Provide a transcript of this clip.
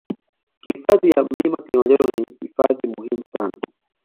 Hifadhi ya mlima kilimanjaro ni hifadhi muhimu sana